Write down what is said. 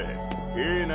いいな？